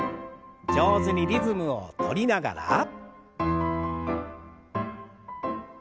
上手にリズムをとりながら。